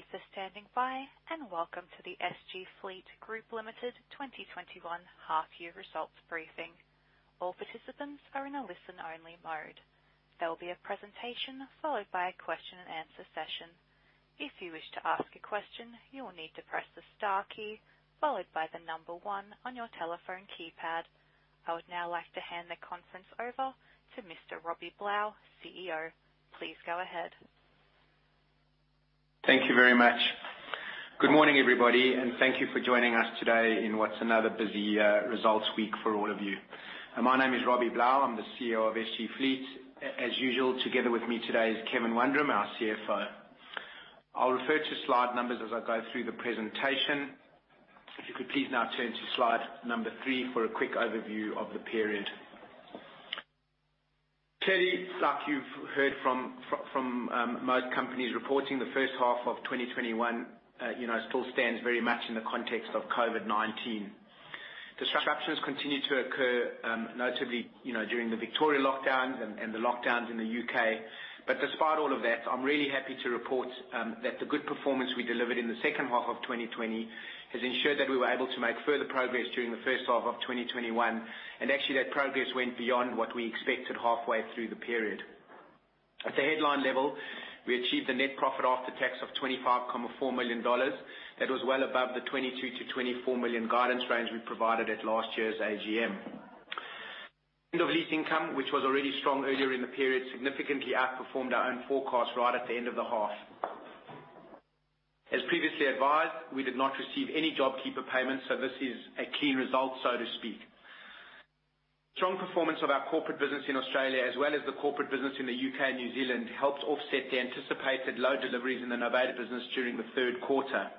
Thank you for standing by, and welcome to the SG Fleet Group Limited 2021 half year results briefing. All participants are on an listen only mode. There will be a presentation followed by a question and answer session. If you wish to ask a question you will need to press star key followed by the number one on your telephone keypad. I would now like to hand the conference over to Mr. Robbie Blau, CEO. Please go ahead. Thank you very much. Good morning, everybody. Thank you for joining us today in what's another busy results week for all of you. My name is Robbie Blau. I'm the CEO of SG Fleet. As usual, together with me today is Kevin Wundram, our CFO. I'll refer to slide numbers as I go through the presentation. If you could please now turn to slide number three for a quick overview of the period. Clearly, like you've heard from most companies reporting, the first half of 2021 still stands very much in the context of COVID-19. Disruptions continued to occur, notably during the Victoria lockdowns and the lockdowns in the U.K. Despite all of that, I'm really happy to report that the good performance we delivered in the second half of 2020 has ensured that we were able to make further progress during the first half of 2021. Actually, that progress went beyond what we expected halfway through the period. At the headline level, we achieved a net profit after tax of 25.4 million dollars. That was well above the 22 million-24 million guidance range we provided at last year's AGM. End of lease income, which was already strong earlier in the period, significantly outperformed our own forecast right at the end of the half. As previously advised, we did not receive any JobKeeper payments. This is a clean result, so to speak. Strong performance of our corporate business in Australia, as well as the corporate business in the U.K. and New Zealand, helped offset the anticipated low deliveries in the novated business during the third quarter.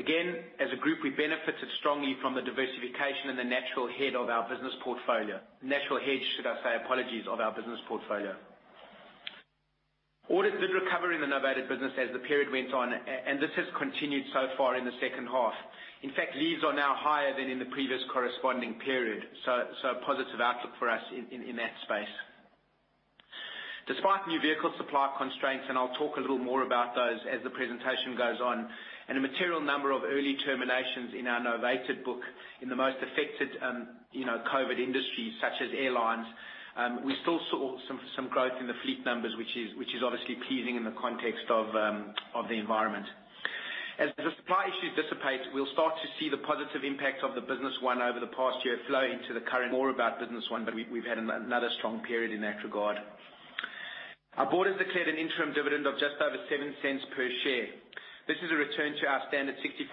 Again, as a group, we benefited strongly from the diversification and the natural head of our business portfolio. Natural hedge, should I say, apologies, of our business portfolio. Orders did recover in the novated business as the period went on, and this has continued so far in the second half. In fact, leads are now higher than in the previous corresponding period, so a positive outlook for us in that space. Despite new vehicle supply constraints, and I'll talk a little more about those as the presentation goes on, and a material number of early terminations in our novated book in the most affected COVID-19 industries such as airlines, we still saw some growth in the fleet numbers, which is obviously pleasing in the context of the environment. As the supply issues dissipate, we'll start to see the positive impact of the business won over the past year flow into the current, more about business one, but we've had another strong period in that regard. Our board has declared an interim dividend of just over 0.07 per share. This is a return to our standard 65%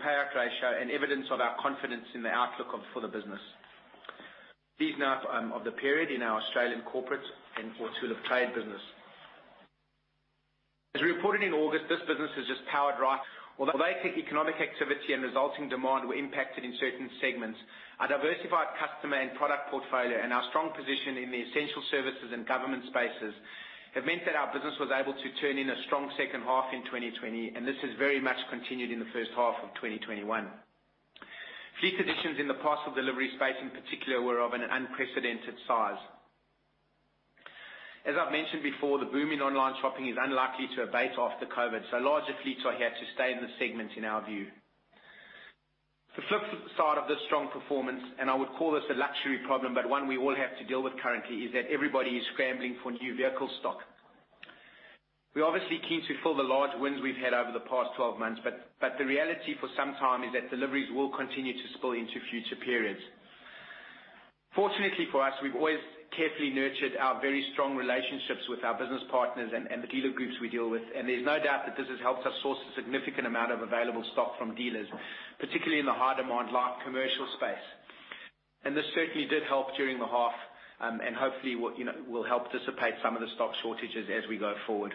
payout ratio and evidence of our confidence in the outlook for the business. These now, of the period in our Australian corporate and for tool of trade business. As we reported in August, this business has just powered right. Although economic activity and resulting demand were impacted in certain segments, our diversified customer and product portfolio and our strong position in the essential services and government spaces have meant that our business was able to turn in a strong second half in 2020, and this has very much continued in the first half of 2021. Fleet additions in the parcel delivery space, in particular, were of an unprecedented size. As I've mentioned before, the boom in online shopping is unlikely to abate after COVID, so larger fleets are here to stay in this segment in our view. The flip side of this strong performance, I would call this a luxury problem, but one we all have to deal with currently, is that everybody is scrambling for new vehicle stock. We're obviously keen to fill the large wins we've had over the past 12 months, but the reality for some time is that deliveries will continue to spill into future periods. Fortunately for us, we've always carefully nurtured our very strong relationships with our business partners and the dealer groups we deal with. There's no doubt that this has helped us source a significant amount of available stock from dealers, particularly in the high-demand commercial space. This certainly did help during the half, and hopefully will help dissipate some of the stock shortages as we go forward.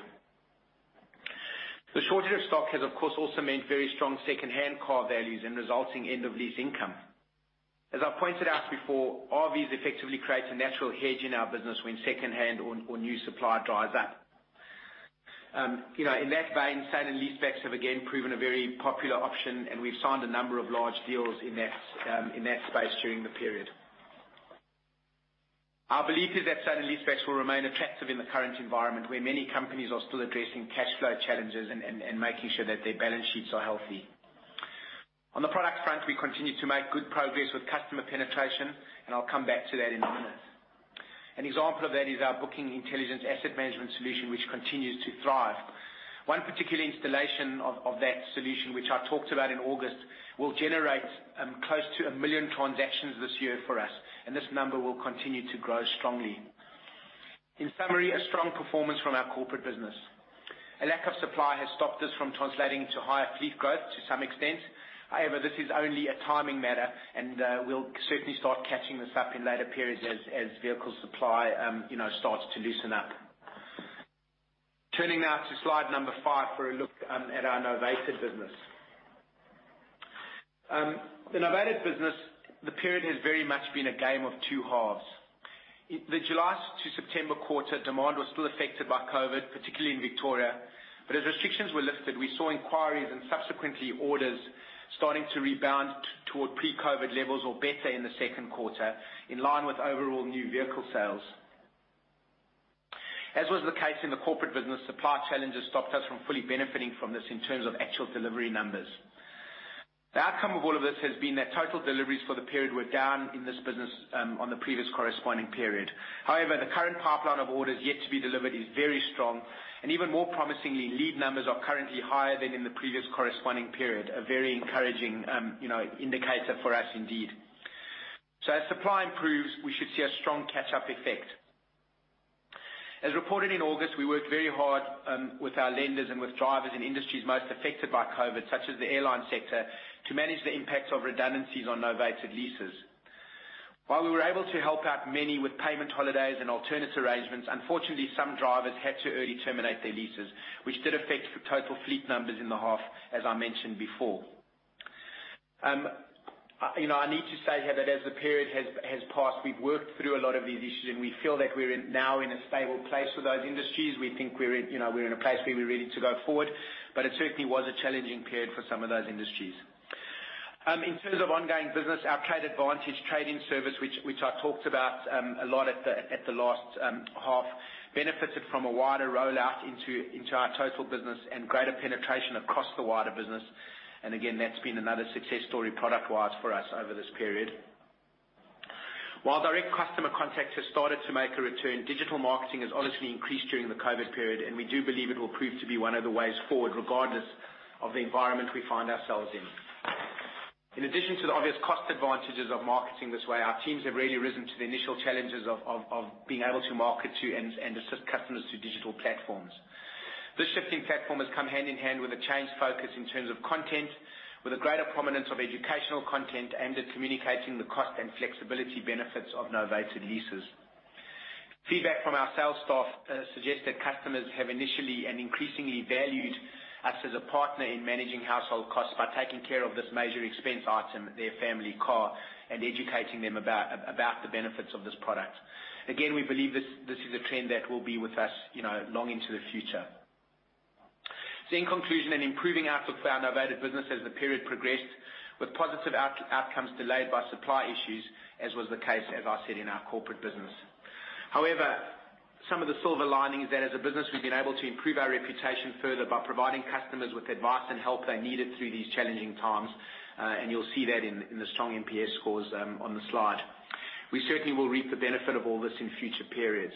The shortage of stock has, of course, also meant very strong secondhand car values and resulting end of lease income. As I pointed out before, RVs effectively creates a natural hedge in our business when secondhand or new supply dries up. In that vein, sale and leasebacks have again proven a very popular option, and we've signed a number of large deals in that space during the period. Our belief is that sale and leasebacks will remain attractive in the current environment, where many companies are still addressing cash flow challenges and making sure that their balance sheets are healthy. On the product front, we continue to make good progress with customer penetration, and I'll come back to that in a minute. An example of that is our Bookingintelligence Asset Management solution, which continues to thrive. One particular installation of that solution, which I talked about in August, will generate close to 1 million transactions this year for us. This number will continue to grow strongly. In summary, a strong performance from our corporate business. A lack of supply has stopped us from translating to higher fleet growth to some extent. However, this is only a timing matter. We'll certainly start catching this up in later periods as vehicle supply starts to loosen up. Turning now to slide number five for a look at our novated business. The novated business, the period has very much been a game of two halves. The July to September quarter, demand was still affected by COVID-19, particularly in Victoria. We saw inquiries and subsequently orders starting to rebound toward pre-COVID-19 levels or better in the second quarter, in line with overall new vehicle sales. As was the case in the corporate business, supply challenges stopped us from fully benefiting from this in terms of actual delivery numbers. The outcome of all of this has been that total deliveries for the period were down in this business, on the previous corresponding period. However, the current pipeline of orders yet to be delivered is very strong, and even more promisingly, lead numbers are currently higher than in the previous corresponding period. A very encouraging indicator for us indeed. As supply improves, we should see a strong catch-up effect. As reported in August, we worked very hard with our lenders and with drivers in industries most affected by COVID-19, such as the airline sector, to manage the impact of redundancies on novated leases. While we were able to help out many with payment holidays and alternate arrangements, unfortunately, some drivers had to early terminate their leases, which did affect total fleet numbers in the half, as I mentioned before. I need to say here that as the period has passed, we've worked through a lot of these issues, and we feel that we're now in a stable place with those industries. We think we're in a place where we're ready to go forward, but it certainly was a challenging period for some of those industries. In terms of ongoing business, our Trade Advantage trading service, which I talked about a lot at the last half, benefited from a wider rollout into our total business and greater penetration across the wider business. Again, that's been another success story product-wise for us over this period. While direct customer contact has started to make a return, digital marketing has honestly increased during the COVID period, and we do believe it will prove to be one of the ways forward, regardless of the environment we find ourselves in. In addition to the obvious cost advantages of marketing this way, our teams have really risen to the initial challenges of being able to market to and assist customers through digital platforms. This shifting platform has come hand-in-hand with a changed focus in terms of content, with a greater prominence of educational content aimed at communicating the cost and flexibility benefits of novated leases. Feedback from our sales staff suggests that customers have initially and increasingly valued us as a partner in managing household costs by taking care of this major expense item, their family car, and educating them about the benefits of this product. Again, we believe this is a trend that will be with us long into the future. In conclusion, an improving outlook for our novated business as the period progressed, with positive outcomes delayed by supply issues, as was the case, as I said, in our corporate business. However, some of the silver linings is that as a business, we've been able to improve our reputation further by providing customers with advice and help they needed through these challenging times, and you'll see that in the strong NPS scores on the slide. We certainly will reap the benefit of all this in future periods.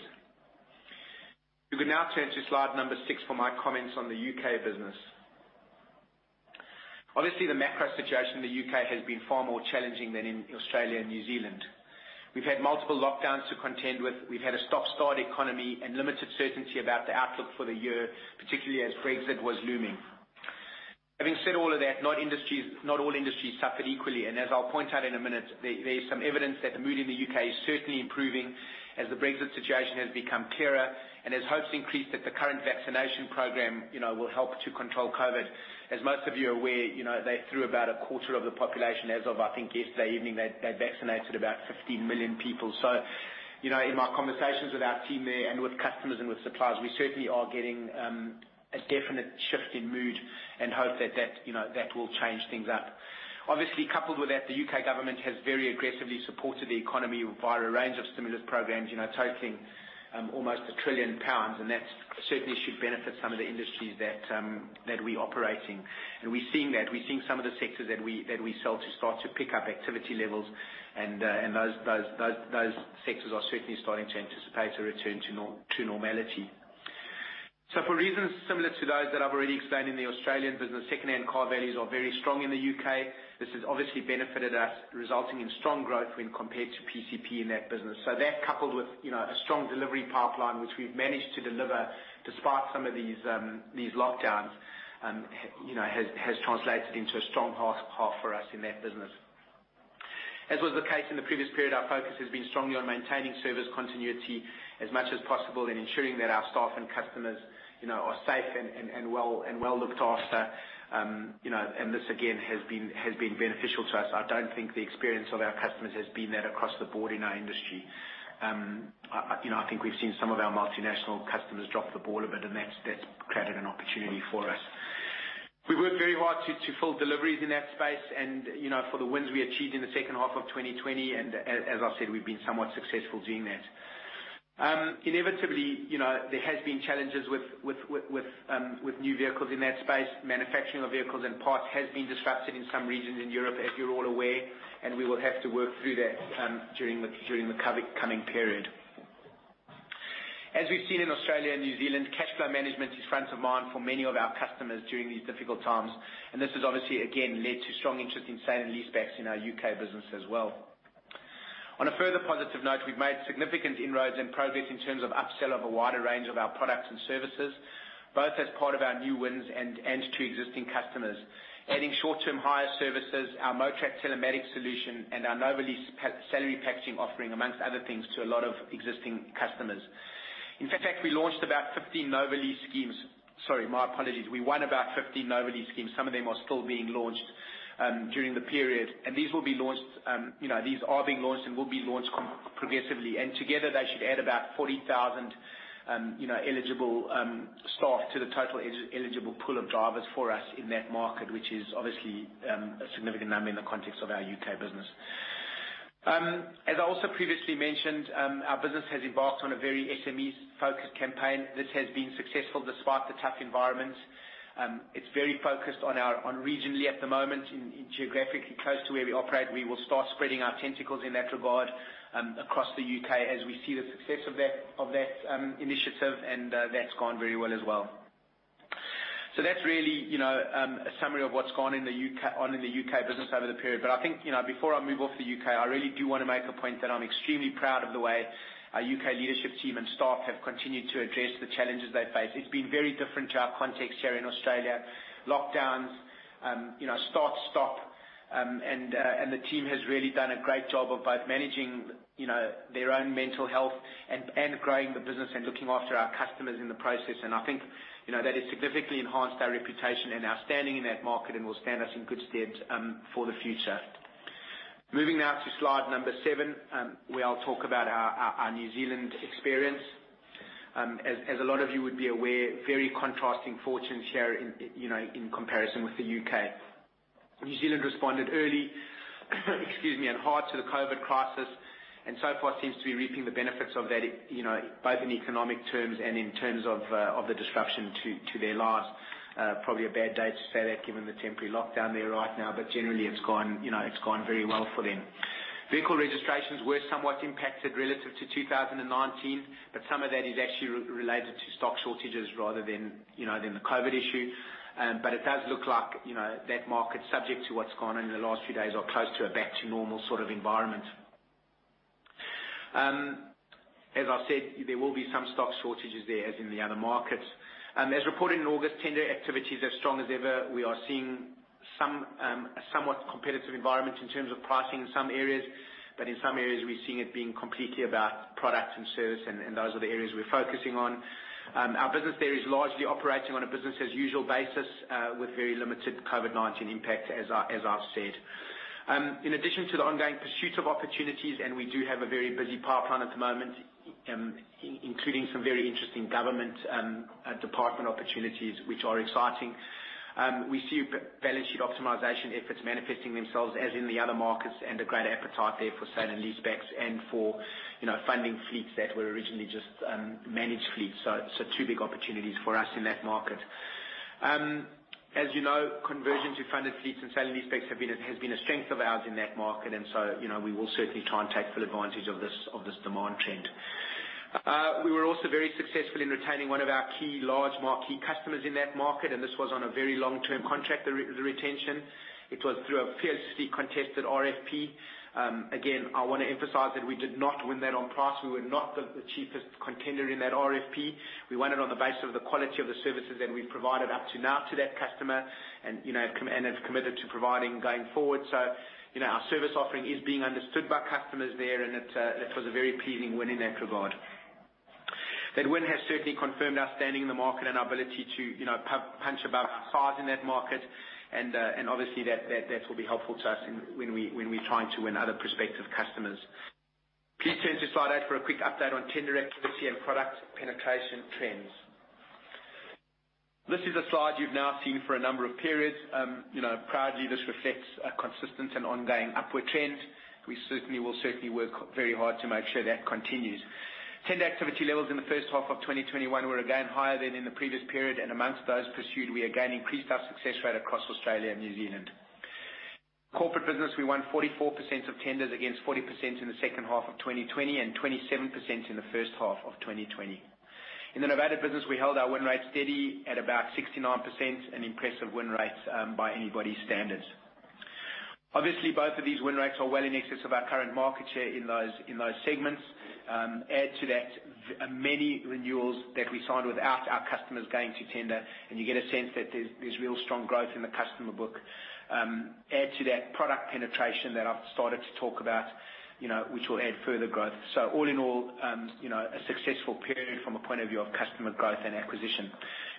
We can now turn to slide number six for my comments on the U.K. business. Obviously, the macro situation in the U.K. has been far more challenging than in Australia and New Zealand. We've had multiple lockdowns to contend with. We've had a stop-start economy and limited certainty about the outlook for the year, particularly as Brexit was looming. Having said all of that, not all industries suffered equally, as I'll point out in a minute, there is some evidence that the mood in the U.K. is certainly improving as the Brexit situation has become clearer and as hopes increase that the current vaccination program will help to control COVID. As most of you are aware, they threw about a quarter of the population, as of, I think yesterday evening, they'd vaccinated about 15 million people. In my conversations with our team there and with customers and with suppliers, we certainly are getting a definite shift in mood and hope that that will change things up. Obviously, coupled with that, the U.K. government has very aggressively supported the economy via a range of stimulus programs totaling almost 1 trillion pounds, that certainly should benefit some of the industries that we operate in. We're seeing that. We're seeing some of the sectors that we sell to start to pick up activity levels and those sectors are certainly starting to anticipate a return to normality. For reasons similar to those that I've already explained in the Australian business, second-hand car values are very strong in the U.K. This has obviously benefited us, resulting in strong growth when compared to PCP in that business. That coupled with a strong delivery pipeline, which we've managed to deliver despite some of these lockdowns, has translated into a strong half for us in that business. As was the case in the previous period, our focus has been strongly on maintaining service continuity as much as possible and ensuring that our staff and customers are safe and well looked after. This again has been beneficial to us. I don't think the experience of our customers has been that across the board in our industry. I think we've seen some of our multinational customers drop the ball a bit, and that's created an opportunity for us. We worked very hard to fill deliveries in that space and for the wins we achieved in the second half of 2020, and as I've said, we've been somewhat successful doing that. Inevitably, there has been challenges with new vehicles in that space. Manufacturing of vehicles and parts has been disrupted in some regions in Europe, as you're all aware, and we will have to work through that during the coming period. As we've seen in Australia and New Zealand, cash flow management is front of mind for many of our customers during these difficult times, and this has obviously, again, led to strong interest in sale and leasebacks in our U.K. business as well. On a further positive note, we've made significant inroads and progress in terms of upsell of a wider range of our products and services, both as part of our new wins and to existing customers. Adding short-term hire services, our Motrak telematics solution, and our Novalease salary packaging offering, amongst other things, to a lot of existing customers. In fact, we launched about 15 Novalease schemes. Sorry, my apologies. We won about 15 Novalease schemes. Some of them are still being launched during the period. These are being launched and will be launched progressively. Together, they should add about 40,000 eligible staff to the total eligible pool of drivers for us in that market, which is obviously a significant number in the context of our U.K. business. As I also previously mentioned, our business has embarked on a very SME-focused campaign that has been successful despite the tough environment. It's very focused on regionally at the moment, geographically close to where we operate. We will start spreading our tentacles in that regard across the U.K. as we see the success of that initiative, that's gone very well as well. That's really a summary of what's gone on in the U.K. business over the period. I think, before I move off the U.K., I really do want to make a point that I'm extremely proud of the way our U.K. leadership team and staff have continued to address the challenges they face. It's been very different to our context here in Australia. Lockdowns, start, stop. The team has really done a great job of both managing their own mental health and growing the business and looking after our customers in the process. I think that has significantly enhanced our reputation and our standing in that market and will stand us in good stead for the future. Moving now to slide number seven, where I'll talk about our New Zealand experience. As a lot of you would be aware, very contrasting fortunes here in comparison with the U.K. New Zealand responded early excuse me, and hard to the COVID crisis, and so far seems to be reaping the benefits of that, both in economic terms and in terms of the disruption to their lives. Probably a bad day to say that, given the temporary lockdown there right now. Generally, it's gone very well for them. Vehicle registrations were somewhat impacted relative to 2019, but some of that is actually related to stock shortages rather than the COVID issue. It does look like that market, subject to what's gone on in the last few days, are close to a back-to-normal sort of environment. As I said, there will be some stock shortages there, as in the other markets. As reported in August, tender activity is as strong as ever. We are seeing a somewhat competitive environment in terms of pricing in some areas. In some areas, we're seeing it being completely about product and service, and those are the areas we're focusing on. Our business there is largely operating on a business as usual basis, with very limited COVID-19 impact, as I've said. In addition to the ongoing pursuit of opportunities, and we do have a very busy pipeline at the moment, including some very interesting government department opportunities, which are exciting. We see balance sheet optimization efforts manifesting themselves as in the other markets, and a great appetite there for sale and leasebacks and for funding fleets that were originally just managed fleets. Two big opportunities for us in that market. As you know, conversion to funded fleets and sale and leasebacks has been a strength of ours in that market. We will certainly try and take full advantage of this demand trend. We were also very successful in retaining one of our key large marquee customers in that market, and this was on a very long-term contract, the retention. It was through a fiercely contested RFP. Again, I want to emphasize that we did not win that on price. We were not the cheapest contender in that RFP. We won it on the basis of the quality of the services that we provided up to now to that customer and have committed to providing going forward. Our service offering is being understood by customers there, and it was a very pleasing win in that regard. That win has certainly confirmed our standing in the market and our ability to punch above our size in that market, and obviously, that will be helpful to us when we try to win other prospective customers. Please turn to slide eight for a quick update on tender activity and product penetration trends. This is a slide you've now seen for a number of periods. Proudly, this reflects a consistent and ongoing upward trend. We certainly will work very hard to make sure that continues. Tender activity levels in the first half of 2021 were again higher than in the previous period, and amongst those pursued, we again increased our success rate across Australia and New Zealand. Corporate business, we won 44% of tenders against 40% in the second half of 2020 and 27% in the first half of 2020. In the Novated business, we held our win rate steady at about 69%, an impressive win rate by anybody's standards. Obviously, both of these win rates are well in excess of our current market share in those segments. Add to that, many renewals that we signed without our customers going to tender, and you get a sense that there's real strong growth in the customer book. Add to that, product penetration that I've started to talk about, which will add further growth. All in all, a successful period from a point of view of customer growth and acquisition.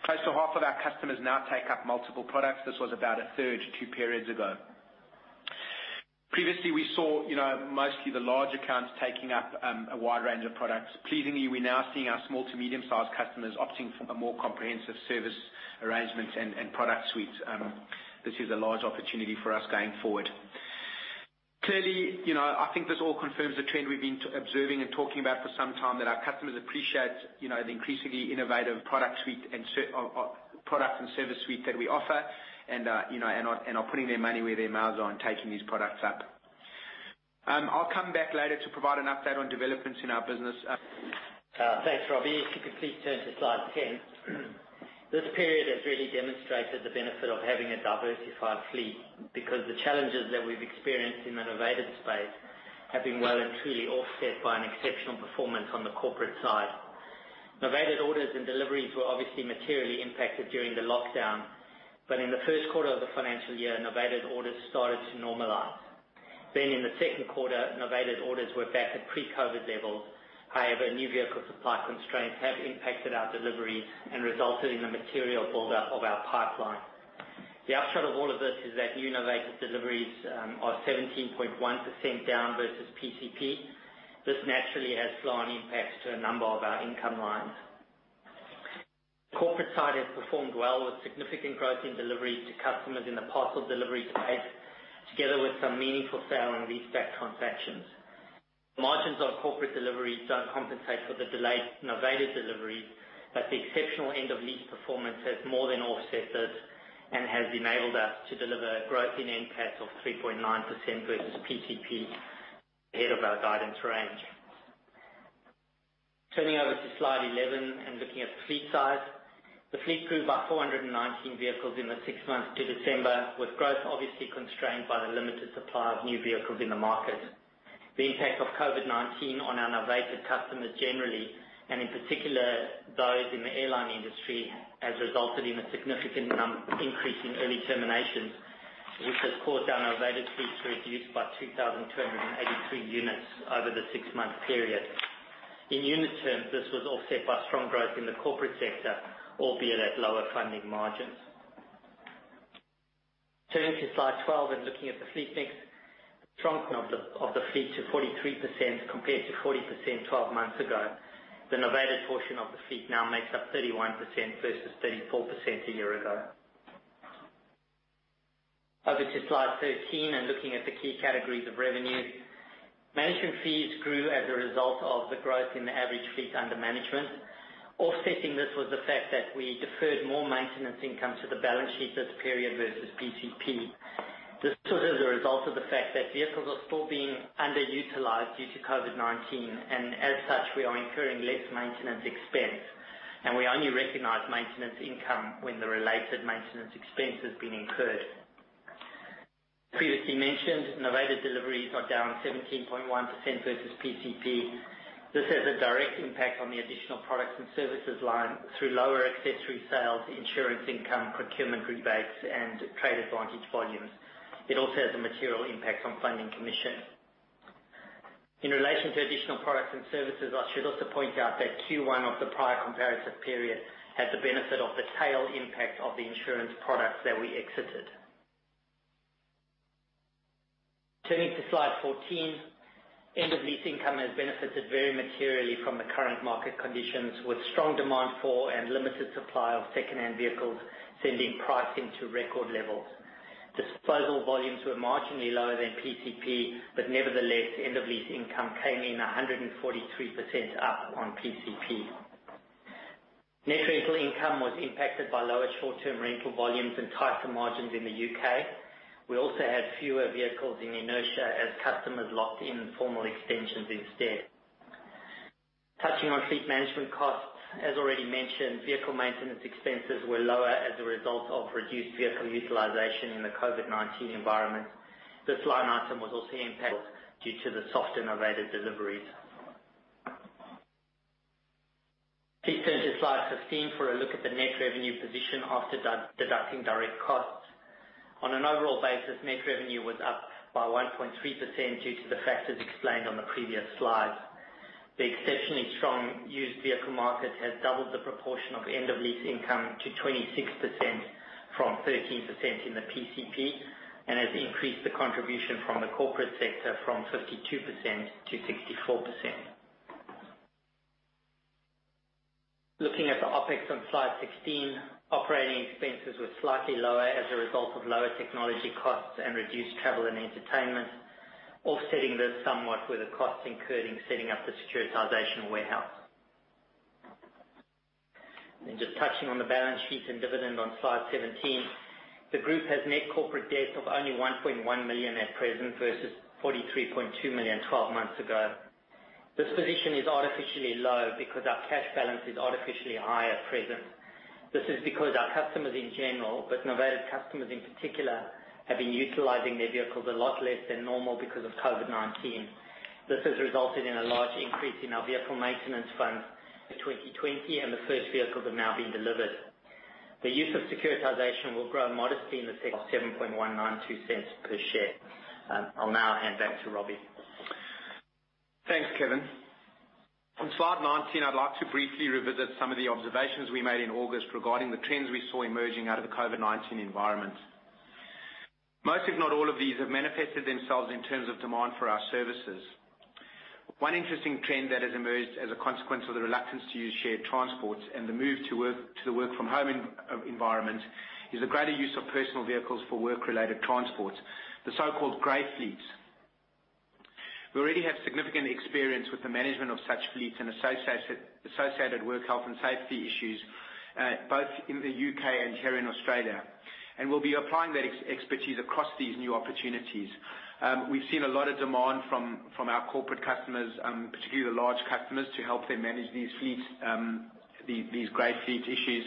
Close to half of our customers now take up multiple products. This was about a third two periods ago. Previously, we saw mostly the large accounts taking up a wide range of products. Pleasingly, we're now seeing our small to medium-sized customers opting for more comprehensive service arrangements and product suites. This is a large opportunity for us going forward. Clearly, I think this all confirms the trend we've been observing and talking about for some time, that our customers appreciate the increasingly innovative product and service suite that we offer, and are putting their money where their mouths are and taking these products up. I'll come back later to provide an update on developments in our business. Thanks, Robbie. If you could please turn to slide 10. This period has really demonstrated the benefit of having a diversified fleet because the challenges that we've experienced in the novated space have been well and truly offset by an exceptional performance on the corporate side. Novated orders and deliveries were obviously materially impacted during the lockdown. In the first quarter of the financial year, novated orders started to normalize. Then in the second quarter, novated orders were back at pre-COVID-19 levels. New vehicle supply constraints have impacted our delivery and resulted in a material buildup of our pipeline. The upshot of all of this is that new novated deliveries are 17.1% down versus PCP. This naturally has flow-on impacts to a number of our income lines. Corporate side has performed well, with significant growth in delivery to customers in the parcel delivery space, together with some meaningful sale and leaseback transactions. Margins on corporate deliveries don't compensate for the delayed novated deliveries, the exceptional end of lease performance has more than offset this and has enabled us to deliver growth in NPAT of 3.9% versus PCP, ahead of our guidance range. Turning over to slide 11 and looking at the fleet size. The fleet grew by 419 vehicles in the six months to December, with growth obviously constrained by the limited supply of new vehicles in the market. The impact of COVID-19 on our novated customers generally, and in particular, those in the airline industry, has resulted in a significant increase in early terminations, which has caused our novated fleet to reduce by 2,283 units over the six-month period. In unit terms, this was offset by strong growth in the corporate sector, albeit at lower funding margins. Turning to slide 12 and looking at the fleet mix. Truck of the fleet to 43% compared to 40% 12 months ago. The Novated portion of the fleet now makes up 31% versus 34% a year ago. Over to slide 13 and looking at the key categories of revenue. Management fees grew as a result of the growth in the average fleet under management. Offsetting this was the fact that we deferred more maintenance income to the balance sheet this period versus PCP. This was as a result of the fact that vehicles are still being underutilized due to COVID-19, as such, we are incurring less maintenance expense, and we only recognize maintenance income when the related maintenance expense has been incurred. Previously mentioned, novated deliveries are down 17.1% versus PCP. This has a direct impact on the additional products and services line through lower accessory sales, insurance income, procurement rebates, and Trade Advantage volumes. It also has a material impact on funding commission. In relation to additional products and services, I should also point out that Q1 of the prior comparative period had the benefit of the tail impact of the insurance products that we exited. Turning to slide 14. End of lease income has benefited very materially from the current market conditions, with strong demand for and limited supply of secondhand vehicles sending pricing to record levels. Disposal volumes were marginally lower than PCP, but nevertheless, end of lease income came in 143% up on PCP. Net rental income was impacted by lower short-term rental volumes and tighter margins in the U.K. We also had fewer vehicles in inertia as customers locked in formal extensions instead. Touching on fleet management costs. As already mentioned, vehicle maintenance expenses were lower as a result of reduced vehicle utilization in the COVID-19 environment. This line item was also impacted due to the soft novated deliveries. Please turn to slide 15 for a look at the net revenue position after deducting direct costs. On an overall basis, net revenue was up by 1.3% due to the factors explained on the previous slide. The exceptionally strong used vehicle market has doubled the proportion of end of lease income to 26% from 13% in the PCP and has increased the contribution from the corporate sector from 52% to 64%. Looking at the OpEx on slide 16. Operating expenses were slightly lower as a result of lower technology costs and reduced travel and entertainment. Offsetting this somewhat were the costs incurred in setting up the securitization warehouse. Just touching on the balance sheet and dividend on slide 17. The group has net corporate debt of only 1.1 million at present versus 43.2 million 12 months ago. This position is artificially low because our cash balance is artificially high at present. This is because our customers in general, but novated customers in particular, have been utilizing their vehicles a lot less than normal because of COVID-19. This has resulted in a large increase in our vehicle maintenance fund for 2020, and the first vehicles have now been delivered. The use of securitization will grow modestly in the second 0.7192 per share. I'll now hand back to Robbie. Thanks, Kevin. On slide 19, I'd like to briefly revisit some of the observations we made in August regarding the trends we saw emerging out of the COVID-19 environment. Most, if not all of these, have manifested themselves in terms of demand for our services. One interesting trend that has emerged as a consequence of the reluctance to use shared transports and the move to the work-from-home environment is the greater use of personal vehicles for work-related transports, the so-called grey fleets. We already have significant experience with the management of such fleets and associated work health and safety issues, both in the U.K. and here in Australia. We'll be applying that expertise across these new opportunities. We've seen a lot of demand from our corporate customers, particularly the large customers, to help them manage these grey fleet issues.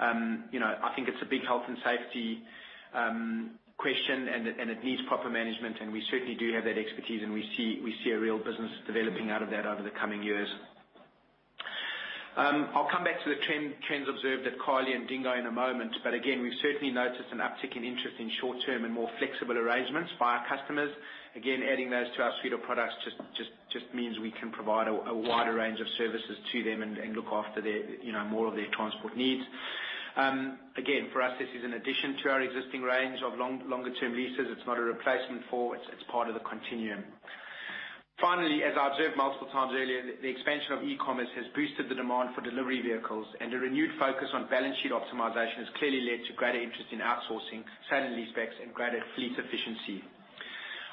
I think it's a big health and safety question, and it needs proper management, and we certainly do have that expertise, and we see a real business developing out of that over the coming years. I'll come back to the trends observed at Carly and DingGo in a moment. Again, we've certainly noticed an uptick in interest in short-term and more flexible arrangements by our customers. Again, adding those to our suite of products just means we can provide a wider range of services to them and look after more of their transport needs. Again, for us, this is in addition to our existing range of longer-term leases. It's not a replacement for. It's part of the continuum. Finally, as I observed multiple times earlier, the expansion of e-commerce has boosted the demand for delivery vehicles, and a renewed focus on balance sheet optimization has clearly led to greater interest in outsourcing certain lease backs and greater fleet efficiency.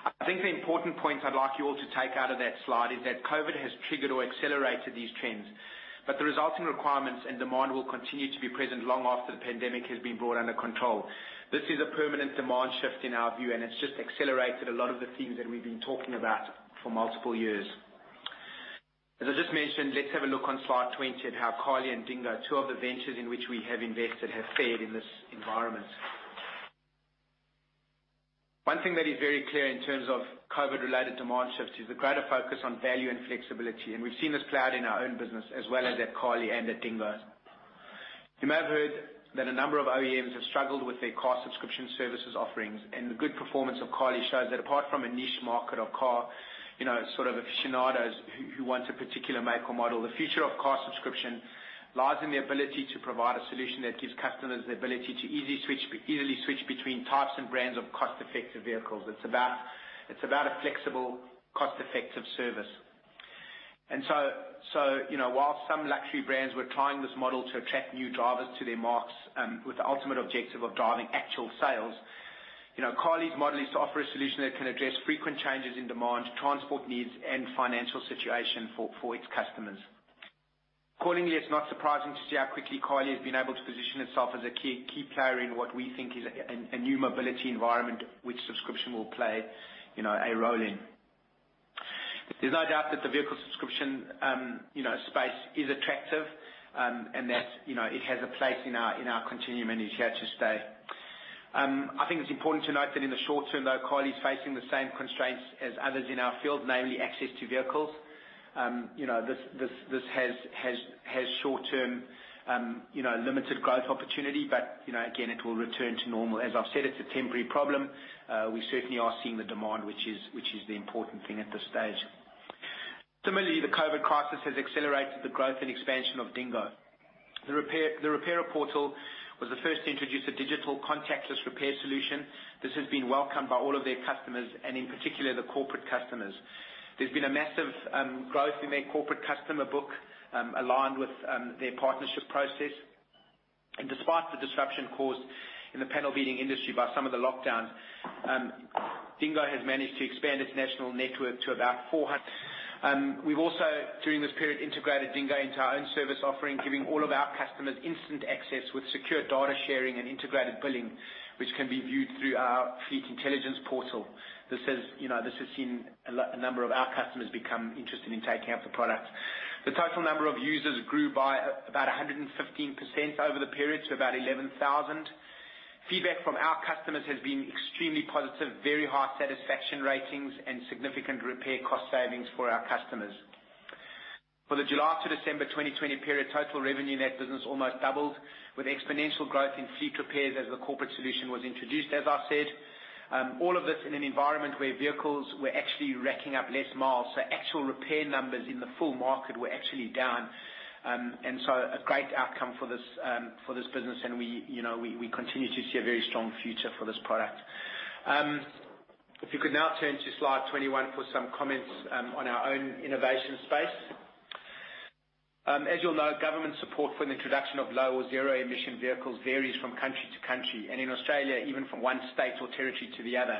I think the important point I'd like you all to take out of that slide is that COVID has triggered or accelerated these trends. The resulting requirements and demand will continue to be present long after the pandemic has been brought under control. This is a permanent demand shift in our view, and it's just accelerated a lot of the themes that we've been talking about for multiple years. As I just mentioned, let's have a look on slide 20 at how Carly and DingGo, two of the ventures in which we have invested, have fared in this environment. One thing that is very clear in terms of COVID-related demand shifts is the greater focus on value and flexibility, and we've seen this play out in our own business as well as at Carly and at DingGo. You may have heard that a number of OEMs have struggled with their car subscription services offerings, and the good performance of Carly shows that apart from a niche market of car, sort of aficionados who want a particular make or model, the future of car subscription lies in the ability to provide a solution that gives customers the ability to easily switch between types and brands of cost-effective vehicles. It's about a flexible, cost-effective service. While some luxury brands were trying this model to attract new drivers to their marques, with the ultimate objective of driving actual sales, Carly's model is to offer a solution that can address frequent changes in demand, transport needs, and financial situation for its customers. Accordingly, it's not surprising to see how quickly Carly has been able to position itself as a key player in what we think is a new mobility environment, which subscription will play a role in. There's no doubt that the vehicle subscription space is attractive, and that it has a place in our continuum, and is here to stay. I think it's important to note that in the short term, though, Carly's facing the same constraints as others in our field, namely access to vehicles. This has short-term, limited growth opportunity, but again, it will return to normal. As I've said, it's a temporary problem. We certainly are seeing the demand, which is the important thing at this stage. Similarly, the COVID crisis has accelerated the growth and expansion of DingGo. The repair portal was the first to introduce a digital contactless repair solution. This has been welcomed by all of their customers and in particular the corporate customers. There's been a massive growth in their corporate customer book, aligned with their partnership process. Despite the disruption caused in the panel beating industry by some of the lockdowns, DingGo has managed to expand its national network to about 400. We've also, during this period, integrated DingGo into our own service offering, giving all of our customers instant access with secure data sharing and integrated billing, which can be viewed through our Fleetintelligence portal. This has seen a number of our customers become interested in taking up the product. The total number of users grew by about 115% over the period to about 11,000. Feedback from our customers has been extremely positive, very high satisfaction ratings, and significant repair cost savings for our customers. For the July to December 2020 period, total revenue in that business almost doubled, with exponential growth in fleet repairs as the corporate solution was introduced, as I said. All of this in an environment where vehicles were actually racking up less miles, actual repair numbers in the full market were actually down. A great outcome for this business, and we continue to see a very strong future for this product. If you could now turn to slide 21 for some comments on our own innovation space. As you'll know, government support for the introduction of low or zero-emission vehicles varies from country to country, and in Australia, even from one state or territory to the other,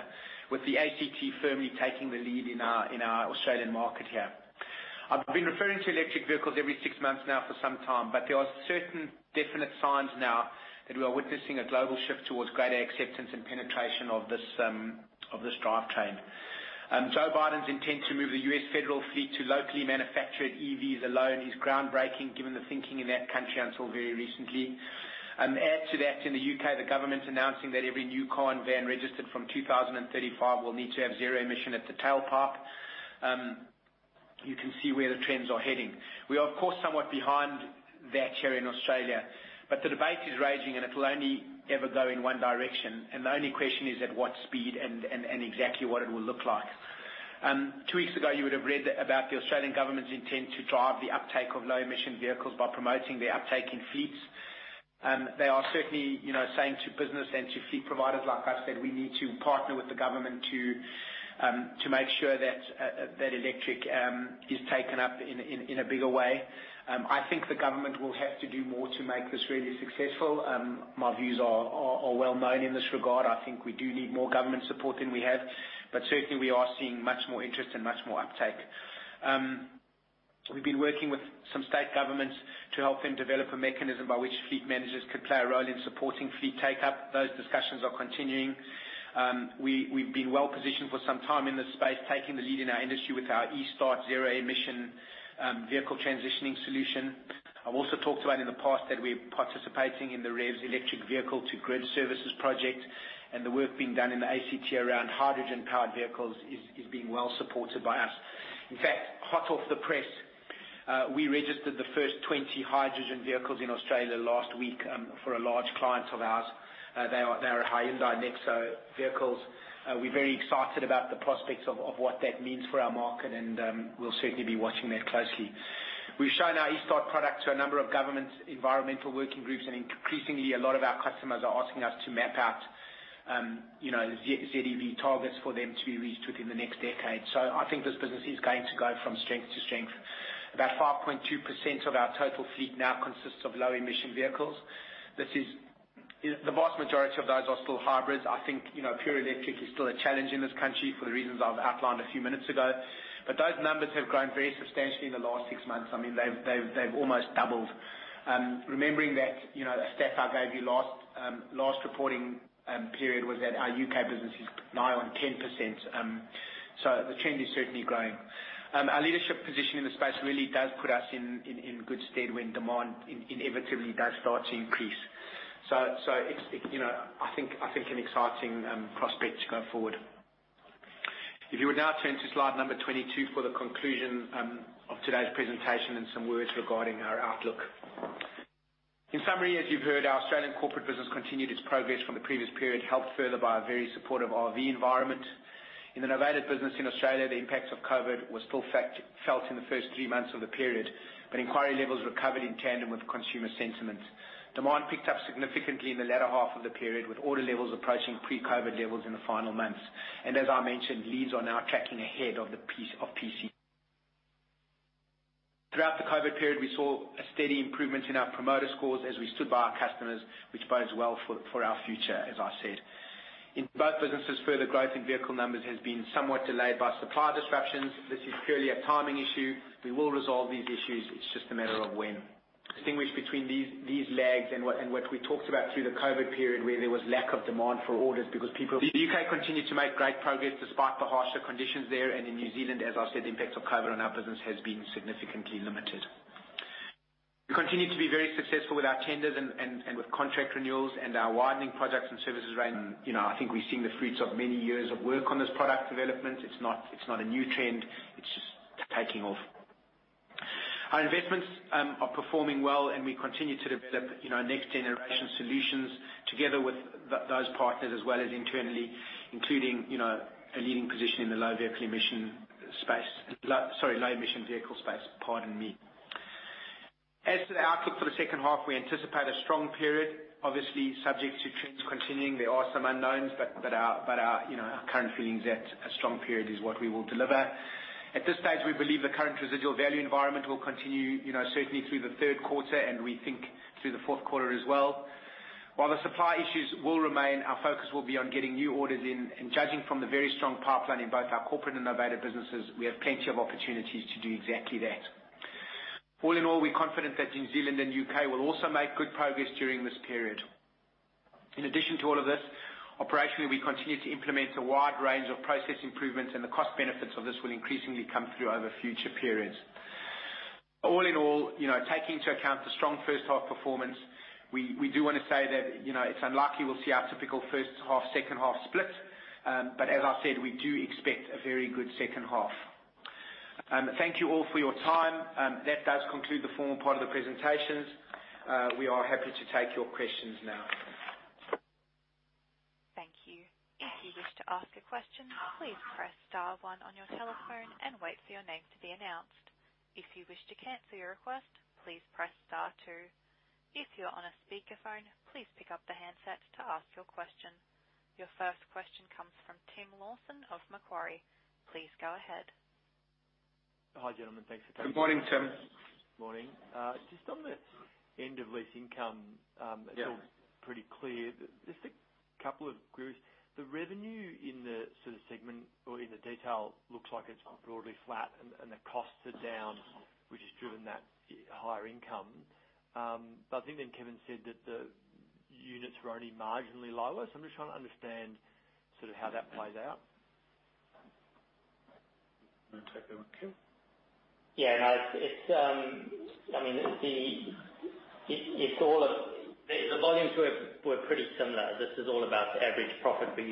with the ACT firmly taking the lead in our Australian market here. I've been referring to electric vehicles every six months now for some time, but there are certain definite signs now that we are witnessing a global shift towards greater acceptance and penetration of this drivetrain. Joe Biden's intent to move the U.S. federal fleet to locally manufactured EVs alone is groundbreaking given the thinking in that country until very recently. In the U.K., the government announcing that every new car and van registered from 2035 will need to have zero emission at the tailpipe. You can see where the trends are heading. We are, of course, somewhat behind that here in Australia, but the debate is raging, and it will only ever go in one direction. The only question is at what speed and exactly what it will look like. Two weeks ago, you would have read about the Australian government's intent to drive the uptake of low-emission vehicles by promoting the uptake in fleets. They are certainly saying to business and to fleet providers like us that we need to partner with the government to make sure that electric is taken up in a bigger way. I think the government will have to do more to make this really successful. My views are well known in this regard. I think we do need more government support than we have, but certainly we are seeing much more interest and much more uptake. We've been working with some state governments to help them develop a mechanism by which fleet managers could play a role in supporting fleet take-up. Those discussions are continuing. We've been well-positioned for some time in this space, taking the lead in our industry with our eStart zero-emission vehicle transitioning solution. I've also talked about in the past that we are participating in the REVS Electric Vehicle to Grid Services project, and the work being done in the ACT around hydrogen-powered vehicles is being well-supported by us. Hot off the press. We registered the first 20 hydrogen vehicles in Australia last week for a large client of ours. They are Hyundai NEXO vehicles. We're very excited about the prospects of what that means for our market, and we'll certainly be watching that closely. We've shown our eStart product to a number of governments, environmental working groups, and increasingly, a lot of our customers are asking us to map out ZEV targets for them to be reached within the next decade. I think this business is going to go from strength to strength. About 5.2% of our total fleet now consists of low-emission vehicles. The vast majority of those are still hybrids. I think pure electric is still a challenge in this country for the reasons I've outlined a few minutes ago. Those numbers have grown very substantially in the last six months. They've almost doubled. Remembering that a stat I gave you last reporting period was that our U.K. business is now on 10%. The trend is certainly growing. Our leadership position in the space really does put us in good stead when demand inevitably does start to increase. I think an exciting prospect to go forward. If you would now turn to slide number 22 for the conclusion of today's presentation and some words regarding our outlook. In summary, as you've heard, our Australian corporate business continued its progress from the previous period, helped further by a very supportive RV environment. In the Novated business in Australia, the impacts of COVID were still felt in the first three months of the period, but inquiry levels recovered in tandem with consumer sentiment. Demand picked up significantly in the latter half of the period, with order levels approaching pre-COVID levels in the final months. As I mentioned, leads are now tracking ahead of PCP. Throughout the COVID period, we saw a steady improvement in our promoter scores as we stood by our customers, which bodes well for our future, as I said. In both businesses, further growth in vehicle numbers has been somewhat delayed by supply disruptions. This is purely a timing issue. We will resolve these issues. It's just a matter of when. Distinguish between these lags and what we talked about through the COVID-19 period, where there was lack of demand for orders because people. The U.K. continued to make great progress despite the harsher conditions there. In New Zealand, as I said, the impacts of COVID-19 on our business has been significantly limited. We continue to be very successful with our tenders and with contract renewals and our widening products and services range. I think we're seeing the fruits of many years of work on this product development. It's not a new trend. It's just taking off. Our investments are performing well, and we continue to develop next generation solutions together with those partners, as well as internally, including a leading position in the low vehicle emission space. Sorry, low emission vehicle space. Pardon me. As to the outlook for the second half, we anticipate a strong period, obviously subject to trends continuing. There are some unknowns, but our current feeling is that a strong period is what we will deliver. At this stage, we believe the current residual value environment will continue, certainly through the third quarter, and we think through the fourth quarter as well. While the supply issues will remain, our focus will be on getting new orders in. Judging from the very strong pipeline in both our corporate and Novated businesses, we have plenty of opportunities to do exactly that. All in all, we're confident that New Zealand and U.K. will also make good progress during this period. In addition to all of this, operationally, we continue to implement a wide range of process improvements, and the cost benefits of this will increasingly come through over future periods. All in all, taking into account the strong first half performance, we do want to say that it's unlikely we'll see our typical first half, second half split. As I said, we do expect a very good second half. Thank you all for your time. That does conclude the formal part of the presentations. We are happy to take your questions now. Thank you. If you wish to ask a question, please press star one on your telephone and wait for your name to be announced. If you wish to cancel your request, please press star two. If you are on your speaker phone, please pick up your headset to ask your question. Your first question comes from Tim Lawson of Macquarie. Please go ahead. Hi, gentlemen. Good morning, Tim. Morning. Just on the end of lease income. Yeah. It's all pretty clear. Just a couple of queries. The revenue in the segment or in the detail looks like it's broadly flat and the costs are down, which has driven that higher income. I think then Kevin said that the units were only marginally lower. I'm just trying to understand how that plays out. Take that one, Kevin. Yeah. The volumes were pretty similar. This is all about the average profit being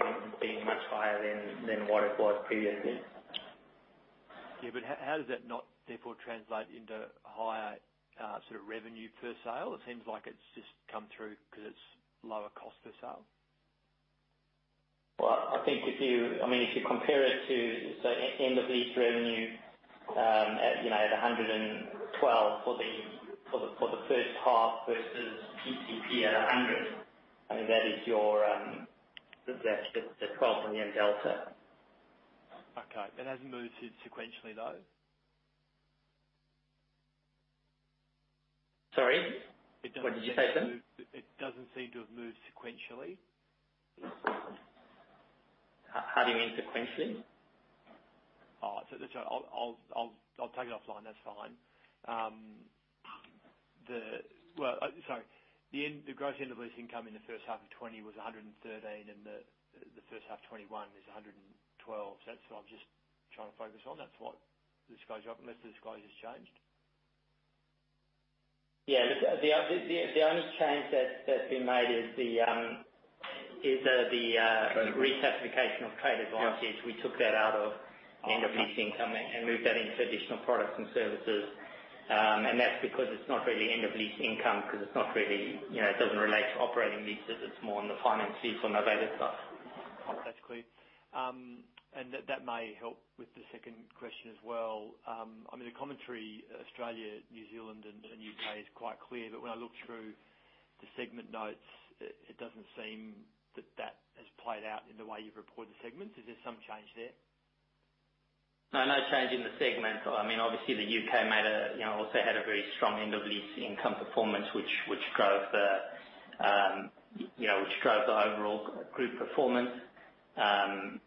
much higher than what it was previously. Yeah. How does that not therefore translate into higher revenue per sale? It seems like it's just come through because it's lower cost per sale. Well, if you compare it to end of lease revenue at 112 for the first half versus PTP at 100, that is the 12 on the end delta. Okay. It hasn't moved sequentially, though? Sorry. What did you say, Tim? It doesn't seem to have moved sequentially. How do you mean sequentially? I'll take it offline. That's fine. Sorry. The gross end of lease income in the first half of 2020 was 113, and the first half 2021 is 112. That's what I'm just trying to focus on. That's what the disclosure, unless the disclosure's changed. Yeah. The only change that's been made is- Trade.... the reclassification of Trade Advantage. We took that out of end-of-lease income and moved that into additional products and services. That's because it's not really end-of-lease income because it doesn't relate to operating leases. It's more on the finance lease on novated stuff. That's clear. That may help with the second question as well. The commentary, Australia, New Zealand, and U.K. is quite clear. When I look through the segment notes, it doesn't seem that that has played out in the way you've reported the segments. Is there some change there? No, no change in the segment. Obviously, the U.K. also had a very strong end-of-lease income performance, which drove the overall group performance.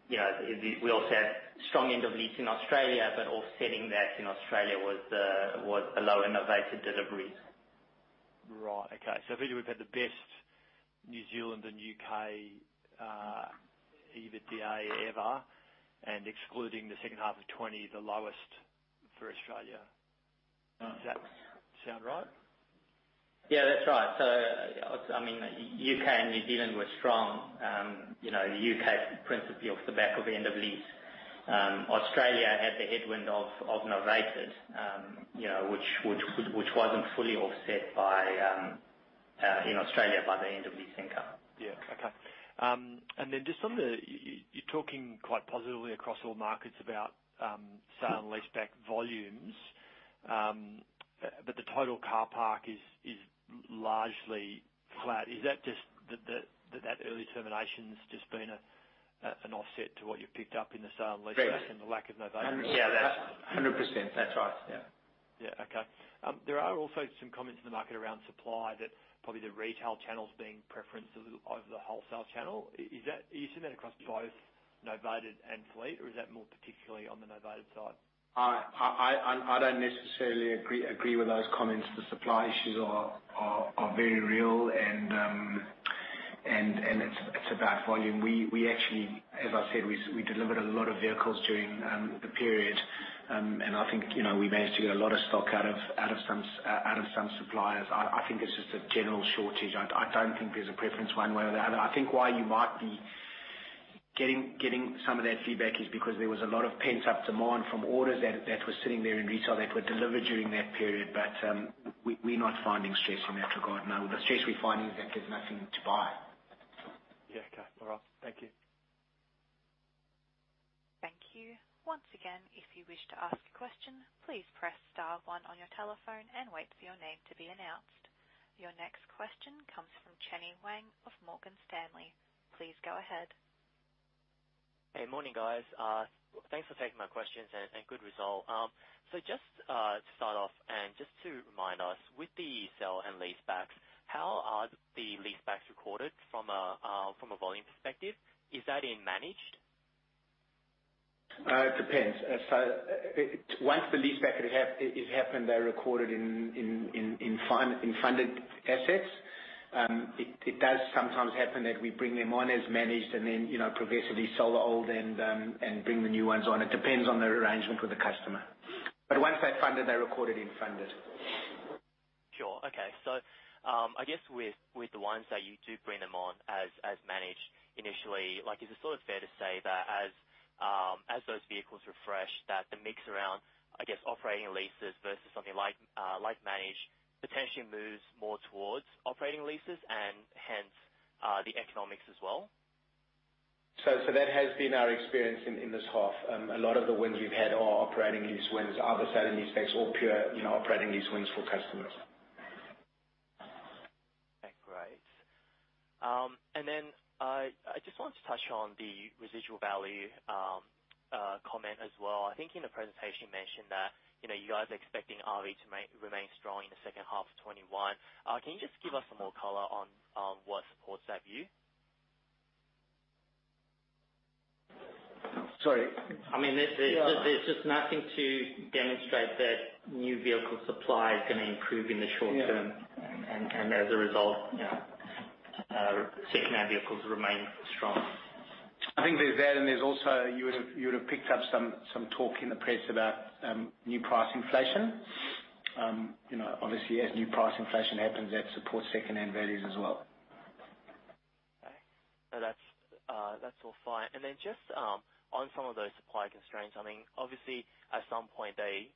We also had strong end-of-lease in Australia, but offsetting that in Australia was a low novated deliveries. Right. Okay. Effectively we've had the best New Zealand and U.K. EBITDA ever, and excluding the second half of 2020, the lowest for Australia. Does that sound right? Yeah, that's right. U.K. and New Zealand were strong. U.K. principally off the back of end-of-lease. Australia had the headwind of novated, which wasn't fully offset in Australia by the end-of-lease income. Yeah. Okay. You're talking quite positively across all markets about sale and leaseback volumes. The total car park is largely flat. Is that just that that early termination's just been an offset to what you've picked up in the sale and leaseback? Yes The lack of novated. 100%. That's right. Yeah. Okay. There are also some comments in the market around supply that probably the retail channel's being preferenced over the wholesale channel. Are you seeing that across both novated and Fleet, or is that more particularly on the novated side? I don't necessarily agree with those comments. The supply issues are very real. It's about volume. As I said, we delivered a lot of vehicles during the period. I think we managed to get a lot of stock out of some suppliers. I think it's just a general shortage. I don't think there's a preference one way or the other. I think why you might be getting some of that feedback is because there was a lot of pent-up demand from orders that were sitting there in retail that were delivered during that period. We're not finding stress in that regard, no. The stress we're finding is that there's nothing to buy. Yeah. Okay. All right. Thank you. Thank you. Once again, if you wish to ask a question, please press star one on your telephone and wait for your name to be announced. Your next question comes from Chenny Wang of Morgan Stanley. Please go ahead. Hey. Morning, guys. Thanks for taking my questions and good result. Just to start off and just to remind us, with the sale and leasebacks, how are the leasebacks recorded from a volume perspective? Is that in managed? It depends. Once the leaseback is happened, they're recorded in funded assets. It does sometimes happen that we bring them on as managed and then progressively sell the old and bring the new ones on. It depends on the arrangement with the customer. Once they're funded, they're recorded in funded. Sure. Okay. I guess with the ones that you do bring them on as managed initially, is it fair to say that as those vehicles refresh, that the mix around, I guess, operating leases versus something like managed potentially moves more towards operating leases and hence, the economics as well? That has been our experience in this half. A lot of the wins we've had are operating lease wins, either sale and leasebacks or pure operating lease wins for customers. Okay. Great. Then I just wanted to touch on the residual value comment as well. I think in the presentation you mentioned that you guys are expecting RV to remain strong in the second half of 2021. Can you just give us some more color on what supports that view? Sorry. There's just nothing to demonstrate that new vehicle supply is going to improve in the short term. As a result, secondary vehicles remain strong. I think there's that, and there's also, you would've picked up some talk in the press about new price inflation. Obviously as new price inflation happens, that supports secondhand values as well. Okay. No, that's all fine. Then just on some of those supply constraints, obviously at some point they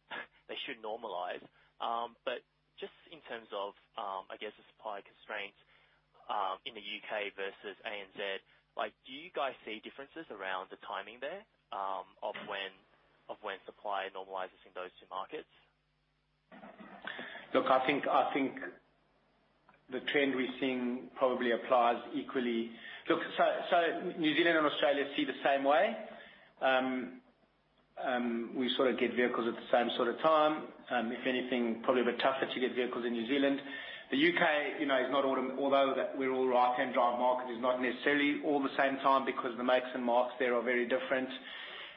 should normalize. Just in terms of the supply constraints, in the U.K. versus ANZ, do you guys see differences around the timing there of when supply normalizes in those two markets? Look, I think the trend we're seeing probably applies equally. New Zealand and Australia see the same way. We sort of get vehicles at the same sort of time. If anything, probably a bit tougher to get vehicles in New Zealand. The U.K., although that we're all right-hand drive market, is not necessarily all the same time because the makes and marks there are very different.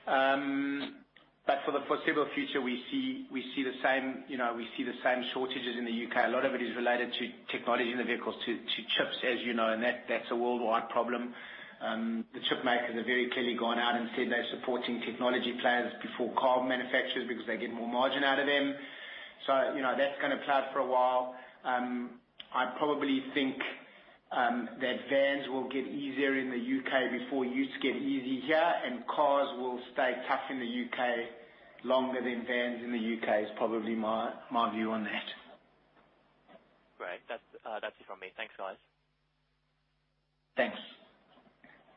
For the foreseeable future, we see the same shortages in the U.K. A lot of it is related to technology in the vehicles, to chips, as you know, and that's a worldwide problem. The chip makers have very clearly gone out and said they're supporting technology players before car manufacturers because they get more margin out of them. That's going to play out for a while. I probably think that vans will get easier in the U.K. before utes get easy here, and cars will stay tough in the U.K. longer than vans in the U.K. is probably my view on that. Great. That's it from me. Thanks, guys. Thanks.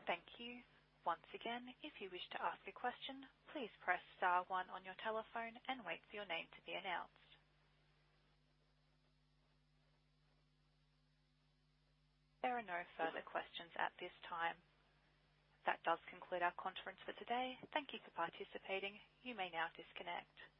Thank you. Once again, if you wish to ask a question, please press star one on your telephone and wait for your name to be announced. There are no further questions at this time. That does conclude our conference for today. Thank you for participating. You may now disconnect.